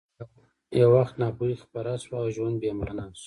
یو وخت ناپوهي خپره شوه او ژوند بې مانا شو